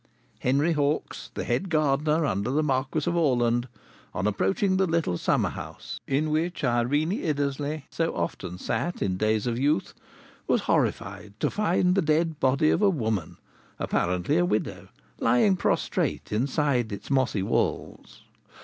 Henry Hawkes, the head gardener under the Marquis of Orland, on approaching the little summer house in which Irene Iddesleigh so often sat in days of youth, was horrified to find the dead body of a woman, apparently a widow, lying prostrate inside its mossy walls.